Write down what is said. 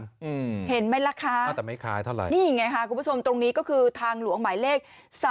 นี่เห็นไหมล่ะคะนี่ไงคุณผู้ชมตรงนี้ก็คือทางหลวงหมายเลข๓๕๗๔